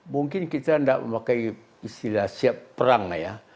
mungkin kita tidak memakai istilah siap perang ya